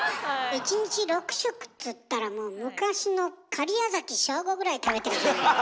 １日６食っつったらもう昔の假屋崎省吾ぐらい食べてるじゃない。